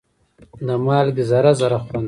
د مالګې ذره ذره خوند لري.